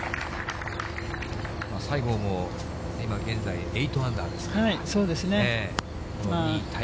西郷も今現在、８アンダーですから。